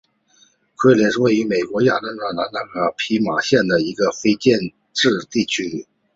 昆林是位于美国亚利桑那州皮马县的一个非建制地区。